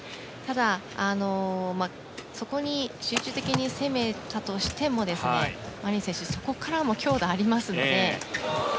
ただ、そこに集中的に攻めたとしてもマリン選手、そこからも強打ありますので。